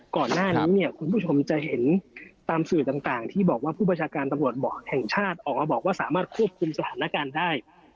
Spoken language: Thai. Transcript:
ก่อนหน้านี้เนี่ยคุณผู้ชมจะเห็นตามสื่อต่างที่บอกว่าผู้ประชาการตำรวจบอกแห่งชาติออกมาบอกว่าสามารถควบคุมสถานการณ์ได้